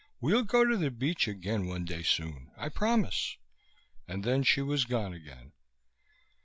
We'll go to the beach again one day soon, I promise." And she was gone again.